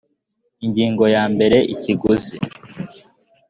ingingo ya mbere ikiguzi